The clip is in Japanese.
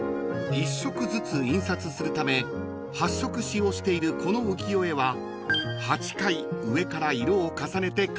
［１色ずつ印刷するため８色使用しているこの浮世絵は８回上から色を重ねて完成させたもの］